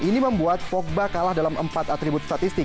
ini membuat pogba kalah dalam empat atribut statistik